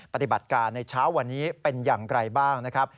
ปฏิบัติการในเช้าวันนี้เป็นอย่างไรบ้างนะครับ